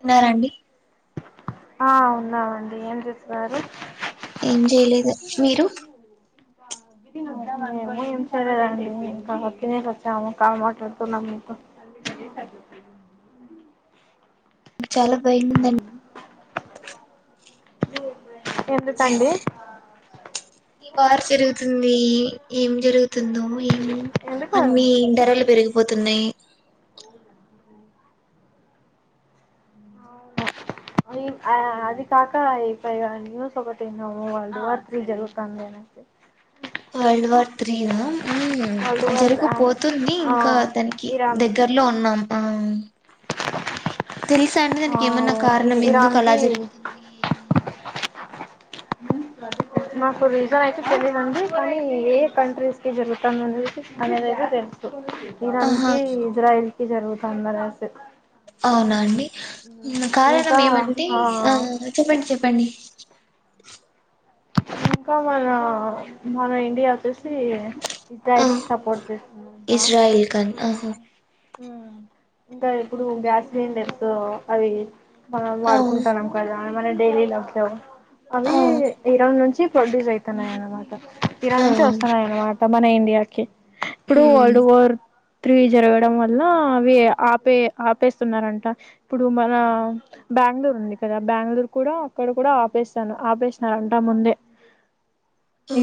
ఉన్నరా అండి ఆ ఉన్నామండి ఏం చేస్తున్నారు ఏం చేయలేదు మీరు మ ఏం చేయలేదండి ఇంకా తినేక వచ్చాము కాల్ మాట్లాడుతూనము మీతొ అ చాలా బయందండి ఎందుకండి ఈ వారు జరుగుతుంది ఏం జరుగుతుందో ఏమో ఎందుకు అన్ని ధరలు పెరుగు పోతునై అ అది కాక ఇ న్యూస్ ఒకటి వాళ్ళ ద వార్ జరుగుతండి వరల్డ్ వార్ త్రీ నా వరల్డ్ వార్ జరుగిపోతుంది ఆ ఇంకా అతనికి ఇరాన్ దగ్గర్లో ఉన్నాం తెలుసా అండి ఆ దానికి ఏమన్నా ఈ కారణం ఎందుకు అలా ఇరాన్కి జరుగుతుంది ఏమి అని మాకు రీజన్ అయితే తెలియదండి కానీ ఏ కంట్రీస్ కి జరుగుతామ అనేదితే తెలుసు ఇరాన్ ఆహా కి ఇజ్రాయిల్ కి జరుగుతుంది అనేసి అవునా అండి కారణం ఇంకా ఏమంటే ఆ చెప్పండి చెప్ప పని ఇంకా మన మన ఇండియా వచ్చేసి ఆ ఇజ్రాయిల్ సపోర్ట్ చేస్తున్నాంట ఇజ్రాయిల్ ఖాన్ ఆహా ఇంకా ఇప్పుడు గ్యాసిలిండర్స్ అవి మనం ఆ వాడుకుంటాన్నాం కదా మన డైలీ లైఫ్ లో అవి ఆ ఇరాన్ నుంచి ప్రొడ్యూస్ అయితున్నాయనమాట ఇరాన్ ఆ నుంచి వస్తున్నాయనమాట మన ఇండియాకి ఇప్పుడు ఉమ్ వరల్డ్ వార్ కి త్రి జరగడం వల్ల అవి ఆపే ఆపేస్తున్నారంట ఇప్పుడు మన బెంగళూరు ఉంది కదా బెంగళూరు కూడా అక్కడ కూడా ఆపేస్తాను ఆపేసినరూ అంటా ముందే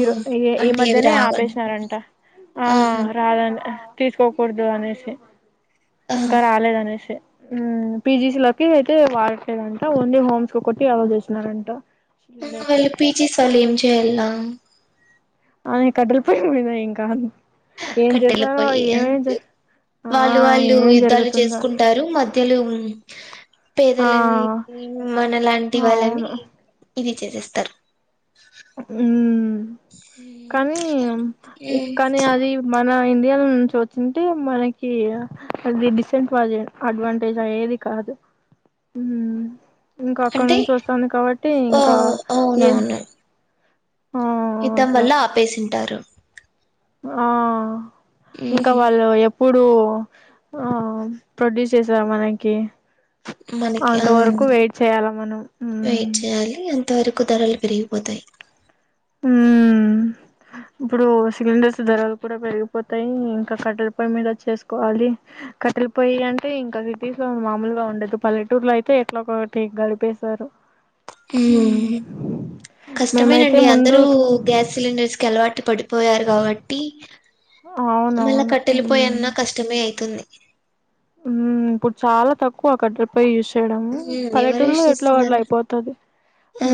ఇరు ఈ ఈ అంటే అవి మధ్యనే రావని ఆపేసినారంట ఆ ఆహా రాధని తీసుకోకూడదు అనేసి ఆహా ఇంకా హ్మ్. రాలేదు అనేసి పిజిస్ లోకి అయితే వాడటలేదంట ఓన్లీ హోమ్స్ కు ఒకటి అల్లో చేసినరంట అ వెళ్ళ పిజిస్ వాళ్ళు ఎం చేయాలా ఆ కట్టలిపోయి మీద ఇంకా ఏం కట్టెల చేశారో పొయ్యి ఏమేం అంటే ఆ వాళ్ళు వాళ్ళు ఏమేం యుద్ధాలు జరుగుతుందో చేసుకుంటారు మధ్యలో ఆ పేదలనీ మన లాంటి వాళ్ళనీ అవును ఇది చేసేస్తారు ఉ హ్మ్. కానీ హ్మ్. కానీ అది మన ఇండియాలో నుంచి వచ్చింటే మనకి అది డిసెంట్జ అడ్వాంటేజ్ అయ్యేది ఏది కాదు ఉమ్ ఇంకా అక్కడ అంటే నుంచి వస్తానై కాబట్టి ఓ ఇంకా ఏ అవునవును ఆ, యుద్ధం అట్లా వల్ల ఆపేసింటారు ఆ ఇంకా ఉహు వాళ్ళు ఎ ఇప్పుడు ఆ ప్రొడ్యూస్ చేసారు మనకి మనకి ఆ అంతవరకు వెయిట్ చేయాల మనం తక్కు ధరలు పెరిగిపోతాయి హ ఇప్పుడు సిలిండర్స్ ధరలు కూడా పెరిగిపోతాయి ఇంకా కట్టెల పొయి మీద చేసుకోవాలి కట్ట వెళ్లిపోయి అంటే ఇంకా సిటీస్ లో మామూలుగా ఉండదు పల్లెటూరులో అయితే ఎట్లా ఒకటి గడిపేశారు మేమైతే కష్టమేనండి ముందు అందరూ స్కూ గ్యాస్ సిలిండర్స్ కి అలవాటు పడు పోయారు కాబట్టి మళ్ళా అవునవును కట్టెళ్ళిపోయన్న కష్టమే అవుతుంది ఇప్పుడు చాలా తక్కువ కట్టాలపోయి యూస్ చేడము ఉమ్ ఎవరు యూస్ పల్లెటూళ్లో ఎట్లా కట్ల చేస్తున్నారు అయిపోతది ఆ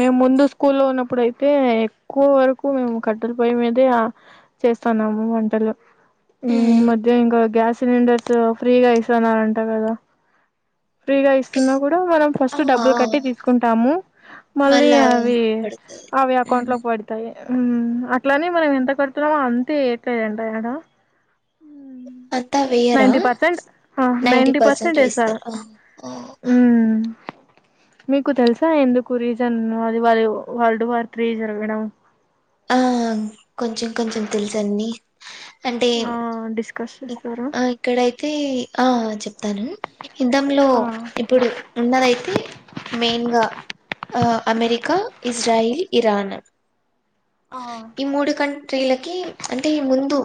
మేము ముందు స్కూల్ లో ఉన్నప్పుడుయితే అంటే ఎక్కువ వరకు మేము కట్టల పొయ్యి మీదే చేస్తున్నాము వంటలు ఈ ఉమ్ మధ్య ఇంకా గ్యాస్ సిలిండర్స్ ఫ్రీగా ఇస్తానారంట కదా ఫ్రీగా ఇస్తున్నా కూడా మనం ఆ ఫస్ట్ ఆ డబ్బులు కట్టి తీసుకుంటాము మళ్ళీ మళ్ళా అవి పడుతది అవి అకౌంట్ ఉమ్ లో పడతాయి అట్లనే మనం ఎంత కడుతున్నామో అంతే ఏ త్తది ఆడ అంతా వేయరా ninety percent ninety ninety percent వేస్తర్ వేస్తారు ఆ ఆ ఉమ్ మీకు తెలుసా ఎందుకు రీజన్ అది వా వరల్డ్ వార్ త్రీ జరగడం ఆ కొంచెం కొంచెం తెలుసండి అంటే ఆ డిస్కస్ చేస్తారు అ ఇక్కడైతే ఆ చెప్తాను యుద్ధంలో ఆ ఇప్పుడు ఉన్నదయితే మెయిన్గా ఆ అమెరికా ఇజ్రాయిల్ ఇరాన్ ఆ ఈ మూడు కన్ ట్రీలకి అంటే ఈ ముందు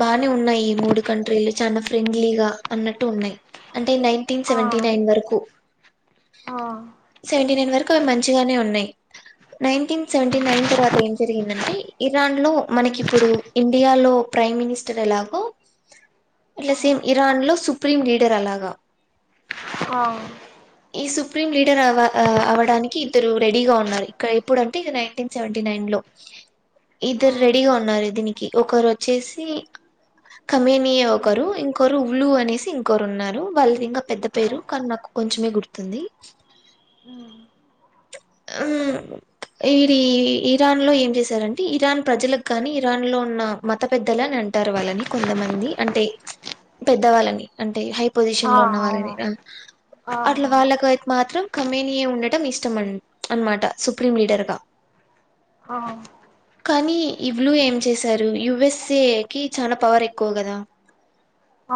బానే ఉన్నాయి మూడు కంట్రీలు చాలా ఫ్రెండ్లీగా అన్నట్ టున్నాయి అంటే నైన్టీన్ ఆ సెవెీన్టి నైన్ వరకు ఆ కు మంచిగానే ఉన్నాయి నైన్టీన్ సెవెన్టి నైన్ తర్వాత ఏం ఏంటంటే ఇరాన్ లో మనకి ఇప్పుడు ఇండియా లో ప్రైమ్ మినిస్టర్ ఎలాగో అట్ల ఆ సేమ్ ఇరాన్లో సుప్రీం లీడర్ అలాగ అ సుప్రీం లీడర్ అవ్వ అ అవ్వడానికి ఇద్దరు రెడీగా ఉన్నారు ఇక్కడ ఎప్పుడుంటే ఇక నైన్టీన్ సెవెంటీ నైన్ లో ఆ ఇద్దరు రెడీగా ఉన్నారు ఇతనికి ఒకరు వచ్చేసి కమేనియ ఒకరు ఇంకోొరు ఉల్లుూ అనేసి ఇంకోొరు ఉన్నారు వాళ్ళకి ఇంకా పెద్ద పేరు కానీ నాకు కొంచమే గుర్తుంది ఆ ఉమ్ ఈరి ఇరాన్లో ఏం చేశారంటే ఇరాన్ ప్రజలకు గాని ఇరాన్ లో ఉన్న మత పెద్దలు అని అంట అంటారు వాల్లని కొంత మంది అంటే పెద్ద వాల్లని అంటె హై ఆ పొజిషన్ల ఉన్న అవును వాళ్ళని ఇక ఆ అట్ల వాళ్ళక అయితే మాత్రం కమ్మెనీయ ఉండటం ఇష్ ఇష్టం అనమాట సుప్రీం లీడర్గా ఆ కానీ ఈ బ్లూ ఏం చేశారు యుఎస్ఏ కి చాన పవర్ ఎక్కువ కదా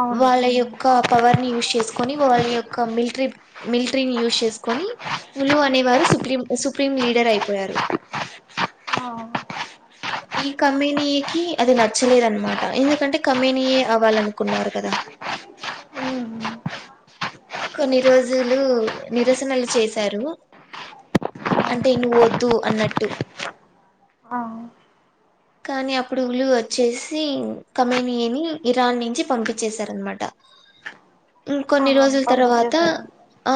అవును వాళ్ళ మ్ యొక్క పవర్ని యూస్ చేసు కొని వాళ్ల యొక్క మిల్ట్రి మిల్ట్రిని యుస్ చేసుకొని ఉలూ అనె వారు సుప్రీం సుప్రీం లీడర్ అయిపోయారు అవు ఈ కమినీకి అది నచ్చలేదనమాట ఎందుకంటే కమినీయ్ అవ్వాలనుకున్నారు కదా ఉహు కొన్ని రోజులు నిరసనలు చేశారు అంటే నువ్వు వద్దు అన్నట్టు మ కానీ అప్పుడు ఉల్లు వచ్చేసి కమనియని ఇరాన్ నుంచి పంపించేసారనమాట ఆ కొన్ని రోజుల్ తర్వాత పంపించేశారు ఆ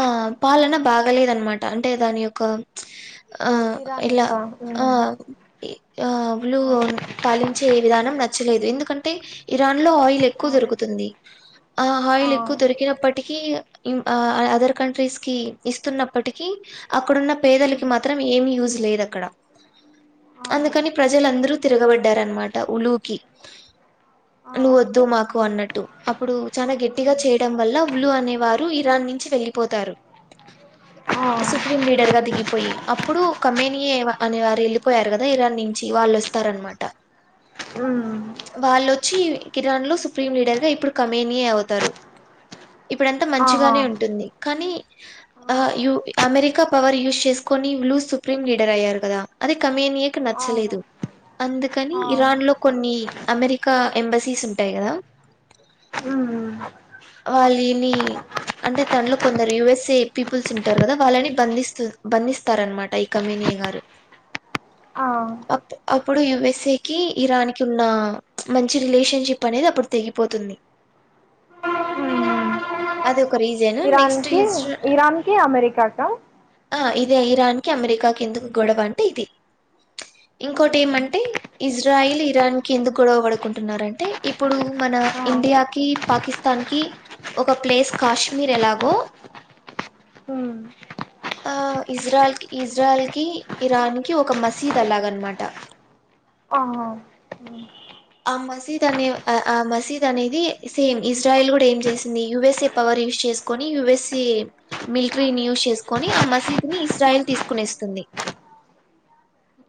ఆ పాలన బాగాలేదనమాట అంటే దాని యొక్క ఆ ఇరాన్ ఇల యొక్క ఆ మ్ ఆ బ్లూ ఆ పాలించే విధానం నచ్ చ్చలేదు ఎందుకంటే ఇరాన్ లో ఆయిల్ ఎక్కువ ఆ దొరుకుతుంది ఆ హాయిల్ ఎక్కువ దొరికినప్పటికీ అదర్ కంట్రీస్కి ఇస్తున్నప్పటిక అక్కడున్న పేదలకి మ్ మాత్రం ఏమి యూజ్ జ్ లేదక్కడ ఆ అందుకని ప్రజలందరూ తిరగబడ్డారన్మాట ఉలూకి ఆ ఉలూ వద్దు మాకు అన్నట్టు అప్పుడు చాన గట్టిగా మ్ చేయడం వల్ల ఉలు అనేవారు ఉలు ఇరాన్ నుంచి వెళ్ళిపోతారు హా! సుప్రీం లీడర్ గా దిగిపోయి, అప్పుడు ఖమేనీయే అనే వారు వెళ్లిపోయారు కదా. ఇరాన్ నుంచి వాళ్లు వస్త. తరన్నమాట. మ్ వాళ్లొచ్చి, ఇరాన్ లో సుప్రీం లీడర్ గా ఇప్పుడు ఖమేనీయే అవుతారు. ఇప్పుడంతా ఆహా మంచిగానే ఉంటుంది, కానీ. అ ఆ యూ అమెరికా పవర్ యూజ్ చేసుకొని, వీళ్లు సుప్రీం లీడర్ అయ్యారు కదా. అదే ఖమేనీయే నక్ అవును నచ్చలేదు. అందుకని ఆ ఇరాన్లో కొన్ని అమెరికా ఎంబసీస్ ఉంటాయి కదా మ్ వాళ్ళి ని అంటే, దాంట్లో కొందరు యూఎస్ఏ పీపుల్స్ ఉంటారు గదా. వాళ్లని బంధిస్త బంధిస్తారన్నమాట ఇక. ఖమేనీయే గారు. ఆ ఇప్పుడు యుఎస్ఏ కి, ఇరాన్ కి ఉన్న మంచి రిలేషన్‌షిప్ అనేది అప్పుడు తెగిపోతుంది. హ్మ్మ్ అది ఒక రీజన్. Next issue. ఇరాన్కి అమెరికాకా ఆ, ఇదే ఇరాన్ కి అమెరికాకి ఎందుకు గొడవ అంటే ఇది. ఇంకోటి ఏమంటే, ఇజ్రాయిల్ ఇరాన్ కి ఎందుకు గొడవ పడుకుంటున్నరంటే, ఇప్పుడు మనం. నా ఇండియాకి, పాకిస్తాన్‌కి. ఒక ప్లేస్, కాశ్మీర్ ఎలాగో. హ్మ్మ్ ఆ ఇస్రాయల్ కి, ఇస్రాయల్ కి ఇరాన్ కి ఒక మసీద్ అల్లా గ అనమాట. ఆహా, హ్మ్మ్. ఆ మసీద్ అనే ఆ, ఆ మసీద్ అనేది సేమ్, ఇజ్రాయెల్ కూడా ఏం చేసింది? USA power. యూస్ చేసుకొని, యూఎస్ఏ మిలిటరీని యూస్ చేసుకొని. ఆ మసీద్ ని ఇస్రాయల్ తీసుకునేస్తుంది. ది [unintelligible] [inaudible]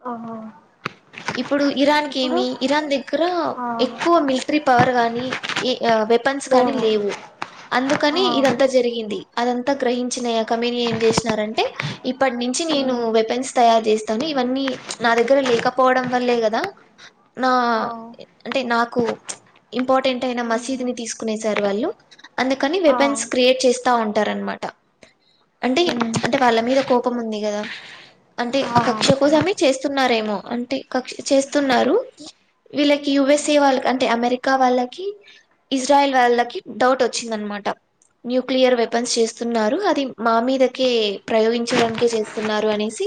ఇప్పుడు ఇరాన్ ఇప్పుడు కేమి? ఇరాన్ దగ్గర ఆ ఎక్కువ మిలిటరీ పవర్ గాని, ఏ ఆ వెప. వెపన్స్ కానీ లేవు. అందుకని ఆ ఇదంతా జరిగింది! అదంతా గ్రహించిన కమని, ఏం చేసినారంటే? ఇప్పటి నుంచి. నేను ఉమ్ వెపన్స్ తయారు జేస్తాను, ఇవన్నీ నా దగ్గర లేక. పోవడం వల్లే కదా, నా ఆ అంటే నాకు. ఇంపార్టెంట్ అయిన మసీదు ని ఉమ్ తీసుకునేసారు వాళ్లు, అందుకని వెపన్స్ క్రియేట్ చేస్తా ఉంటారు అన్న మా. ఆ [unintelligible] అంటే, అంటే వాళ్లు మీద కోపం ఉంది కదా? అంటే ఆ కక్ష కోసమే చేస్తున్నారేమో. అంటే కక్ష, చేస్తున్నారు. వీళ్లుకి, యయుఎస్ఏ వాళ్లకి, అంటే అమెరికా వాళ్లకి. ఇస్రాయల్ వాళ్లకి డౌట్ వచ్చిందనమాట. న్యూక్లియర్ వెపన్స్ చేస్తున్నారు, అది మా మీదకే ప్రయోగించడానికే చేస్తున్నారు అనేసి.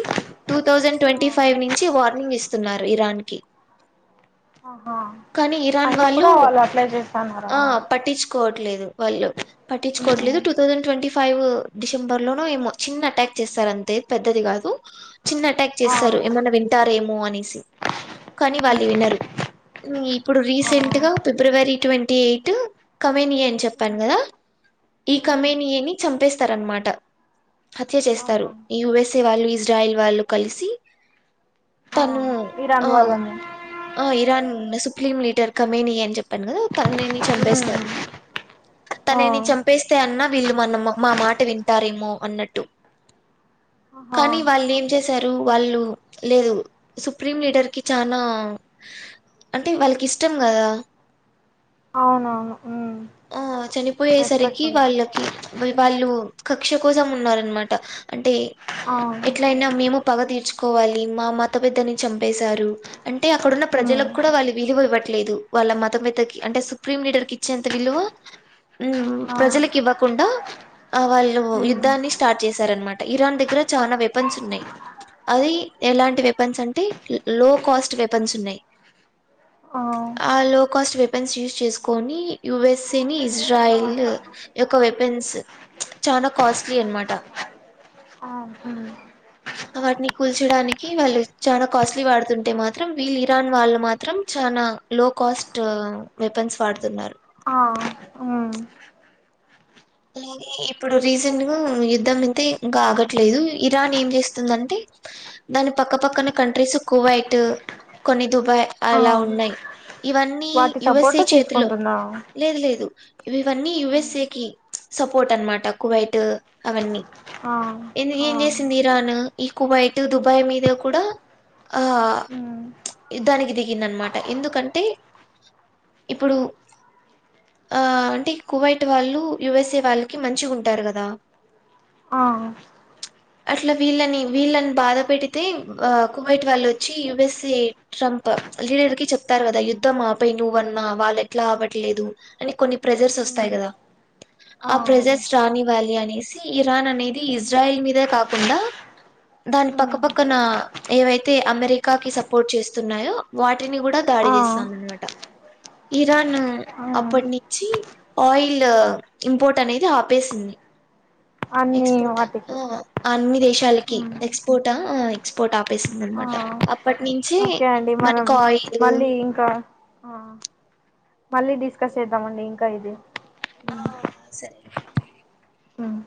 టూ థౌజండ్ ఆ ట్వంటీ-ఫైవ్ నుంచి వార్నింగ్ ఇస్తున్నారు, ఇరాన్ కి. ఆహా కానీ ఇరాన్ అయినా వాళ్లు, కూడా వాళ్ళు అప్లై చేస్తన్నారా ఆ పట్టిచ. కోట్లేదు వాళ్లు, ఉమ్ పట్టించుకోట్లేదు. టూ థౌసండ్ ట్వంటీ-ఫైవ్ డిశెంబెర్ లో ఏమో, చిన్న అటాక్. చేసేసారు అంతే. పెద్దది కాదు, చిన్న అటాక్ ఆ చేసేసారు. ఉమ్ ఏమన్నా వింటారేమో అని. సి. కానీ వాళ్లు వినరు? హ్మ్మ్, ఇప్పుడు రీసెంట్ ఆ గా. ఫిబ్రవరి ట్వంటీ- ఎయిట్ కమన్ చెప్పాను ఉమ్ కదా? ఈ ఉమ్ కమేనియన్ ని చంపేస్తారనమాట. హత్య చేస్తారు. ఆహా ఈ యుఎస్ఏ వాళ్లు, ఇజ్రాయెల్ వాళ్లు కలిసి. ఆ తను ఇరాన్ ఆ వాళ్లనే. ఆ ఇరాన్ మీ సుప్లిమ్ లీడర్, కమేనియన్ అని చెప్పాను కదా? తాననీ. చంపేస్తారు! ఆ తనని చంపేస్తే, అన్నా. వీళ్లు మన మ, మా మాట వింటారేమో అన్నట్టు. అ కానీ వాళ్ ఏమ్ చేశారు వాళ్ళు లేదు సుప్రీం లీడర్ కి చానా అంటే వాళ్ళకి ఇష్టం గదా అవును అవును చనిపోయేసరికి వాళ్ళకి మర్ వాళ్ళు కక్ష కోసం ఉన్నార అన్ మాట అంటే ఆ ఎట్ల అయినా మేము పగ తీర్చుకోవాలి మా మత పెద్దని చంపేశారు అంట్ అంటే అక్కడున్న ప్రజలకు ఉమ్ కూడా వాళ్ళు విలువ ఇవ్వట్లేదు వాళ్ళ మతందకి అంటే సుప్రీం లీడర్ కి ఇచ్చేంత విలువ ఉమ్ ఆ ప్రజలకి ఇవ్వకుండా ఆ వాళ్ళు ఉమ్ యుద్ధాన్ని స్టార్ట్ చేశార్ అన్ మాట ఇరాన్ దగ్గర చాలా వెపన్స్ ఉన్నాయి అది ఎలాంటి వెపన్స్ అంటే లో కాస్ట్ వెపన్స్ ఉన్నాయి ఆ ఆ లో కాస్ట్ వెపెన్స్ యూస్ చేసుకొని యుఎస్ఏ ని ఇజ్రాయిల్ యొక్క వెపన్ వేన్స్ చాల కాస్ట్లీ అన్ మాట ఆ వాట్ని కూల్చడానికి వాళ్ళు చాలా కాస్ట్లీ వాడుతు ఉంటే మా త్రం వీళ్ళు ఇరాన్ వాళ్ళు మాత్రం చాలా లో కాస్ట్ వెపన్స్ వాడుతు ఉన్నారు ఆ ఉమ్ అలాగే ఇప్పుడు రీసెంట్గా యుద్ధం అంతే ఇంకా ఆగట్లేదు ఇరాన్ ఏం చేస్తుంద అంటే దాని పక్కపక్కన కంట్రీస్ కూవైట్ కొన్ని దుబాయ్ ఆ అలా ఉన్నాయి ఇవన్నీ వాటి సపోర్ట్ యుఎస్ఏచ్ చేతిలో తీసుకుంటున్నావు లేదు లేదు ఇవన్నీ యుఎస్ఏ కి సపోర్ట్ అన్ మాట కువైట్ అవన్నీ ఆ ఆ సింది ఇరాన్ ఈ కుబైట్ దుబాయ్ మీద కూడా ఆ ఉమ్ యుద్ధానికి దిగింది అన్ మాట ఎందుకంటే ఇప్పుడు ఆ అంటే కువైట్ వాళ్ళు యుఎస్సిఏ వాళ్ళకి మంచిగ్ ఉంటారు కదా ఆ అట్లా వీళ్ళని వీళ్ళని బాధ పెడితే అ కువైట్ వాళ్ళు వచ్చి యుఎస్సిఏ ట్రంప్ ప లీడర్ కి చెప్తారు కదా యుద్ధం ఆపై నువ్వన్నా వాళ్ళు ఎట్లా అవ్వట్లేదు అని కొన్ని ప్రెజర్స్ వస్తాయి కదా అ ఆ ప్రెజెన్స్ రానీ వ్యాలీ అనేసి ఇరాన్ అనేది ఇజ్రాయిల్ మీదే కాకుండా దాని ఉమ్ పక్కపక్కన ఏవైతే అమెరికాకి సపోర్ట్ చేస్తున్నాయో వాటిని కూడా దాడి ఆ చేస్తా అన్ మాట ఇరాన్ ఉమ్ అప్పటి నుంచి ఆయిల్ ఇంపోర్ట్ అనేది ఆపేసింది అన్ని ఎక్స్పోర్టా వాటికి ఆ అన్ని దేశాలకి ఉమ్ ఎక్స్పోర్టా ఆ ఎక్స్పోర్ట్ ఆ [inaudible] ఆ నమాట అప్పటి నుంచి ఓకే అండి మనం మనకు ఆయిలు మళ్ళీ ఇంకా ఆ మళ్ళీ డిస్కస్ చేద్దామ అండి ఇంకా ఇది ఆ సరే ఉమ్